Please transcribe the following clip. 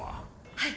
はい。